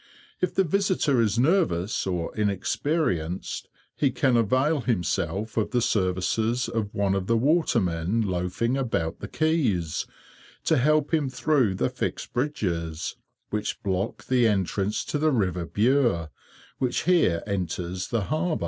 If the visitor is nervous or inexperienced, he can avail himself of the services of one of the watermen loafing about the quays, to help him through the fixed bridges which block the entrance to the river Bure, which here enters the harbour.